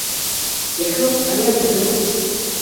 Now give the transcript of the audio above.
Иахьоуп аиарҭа данылҵ!